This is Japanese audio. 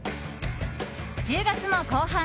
１０月も後半。